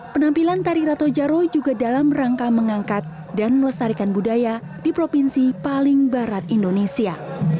penampilan tari rato jaro juga dalam rangka mengangkat dan melestarikan budaya di provinsi paling barat indonesia